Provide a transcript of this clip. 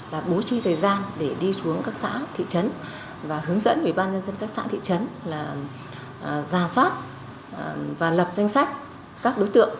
là bố trí thời gian để đi xuống các xã thị trấn và hướng dẫn ủy ban nhân dân các xã thị trấn là giả soát và lập danh sách các đối tượng